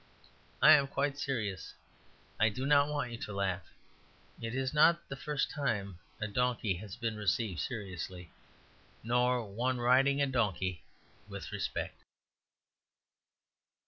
I am quite serious. I do not want you to laugh. It is not the first time a donkey has been received seriously, nor one riding a donkey with respect.